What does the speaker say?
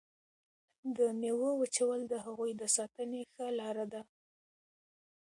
د میوو وچول د هغوی د ساتنې ښه لاره ده.